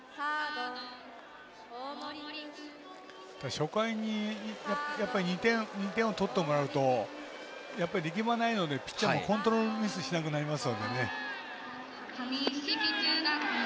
初回に２点を取ってもらうと力まないのでピッチャーもコントロールミスをしなくなりますのでね。